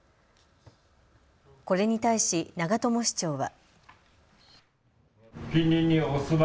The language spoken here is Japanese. これに対し長友市長は。